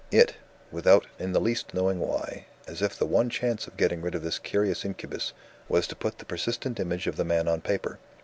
It (without in the least knowing why) as if the one chance of getting rid of this curious incubus, was to put the persistent image of the man on paper.